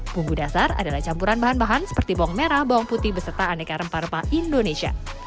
bumbu dasar adalah campuran bahan bahan seperti bawang merah bawang putih beserta aneka rempah rempah indonesia